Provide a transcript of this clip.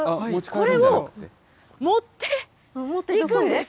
これを持っていくんです。